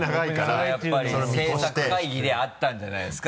それはやっぱり制作会議であったんじゃないですか？